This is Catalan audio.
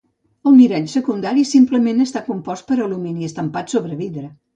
El mirall secundari simplement està compost per alumini estampat sobre vidre.